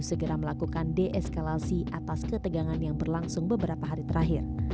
segera melakukan deeskalasi atas ketegangan yang berlangsung beberapa hari terakhir